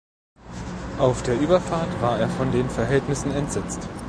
Auf der Überfahrt war er von den Verhältnissen entsetzt.